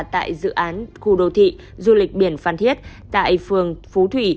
tại dự án khu đô thị du lịch biển phan thiết tại phường phú thủy